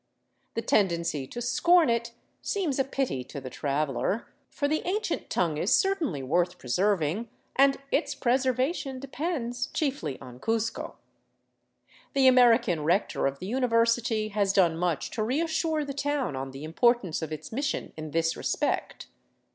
The tendency to scorn it seems a pity to the traveler, for the ancient tongue is certainly worth pre serving, and its preservation depends chiefly on Cuzco. The Ameri can Rector of the University has done much to reassure the town on the importance of its mission in this respect.